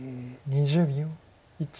２０秒。